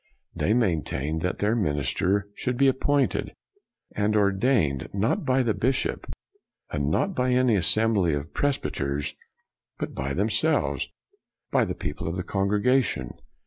They maintained that their minister should be appointed and ordained not by the bishop, and not by any assembly of pres byters, but by themselves, by the people of the congregation.